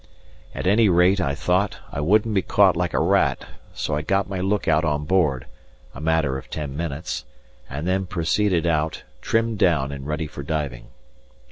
At any rate, I thought, I wouldn't be caught like a rat, so I got my look out on board a matter of ten minutes and then proceeded out, trimmed down and ready for diving.